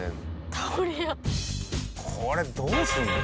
これどうすんの？